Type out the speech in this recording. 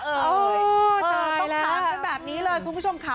ต้องถามกันแบบนี้เลยคุณผู้ชมค่ะ